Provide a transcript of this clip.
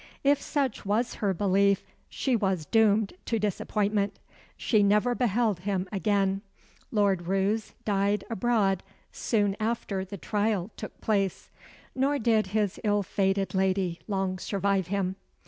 If such was her belief, she was doomed to disappointment. She never beheld him again. Lord Roos died abroad soon after the trial took place; nor did his ill fated lady long survive him.